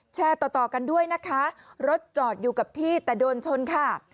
แชร์ต่อต่อกันด้วยนะคะรถจอดอยู่กับที่แต่โดนชนค่ะ